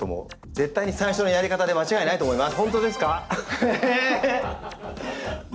絶対に最初のやり方で間違いないと思います。